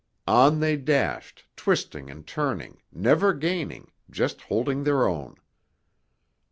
On they dashed, twisting and turning, never gaining, just holding their own.